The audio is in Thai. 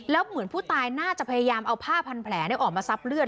แล้วเหมือนผู้ตายน่าจะพยายามเอาผ้าพันแผลออกมาซับเลือด